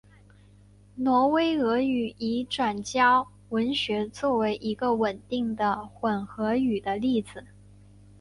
挪威俄语已转交文学作为一个稳定的混合语的例子。